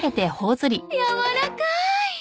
やわらかい。